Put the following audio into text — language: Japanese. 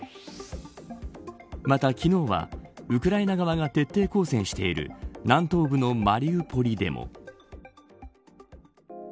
また、昨日はウクライナ側が徹底抗戦している南東部のマリウポリでも。